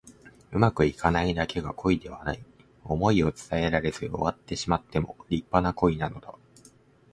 うまくいかないだけが恋ではない。想いを伝えられず終わってしまっても立派な恋なのだ。